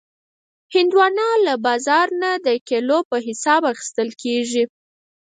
هندوانه له بازار نه د کیلو په حساب اخیستل کېږي.